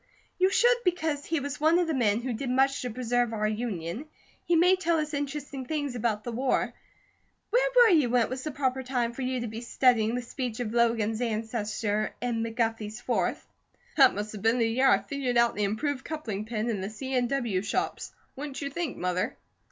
"You should because he was one of the men who did much to preserve our Union, he may tell us interesting things about the war. Where were you when it was the proper time for you to be studying the speech of Logan's ancestor in McGuffey's Fourth?" "That must have been the year I figured out the improved coupling pin in the C. N. W. shops, wouldn't you think, Mother?"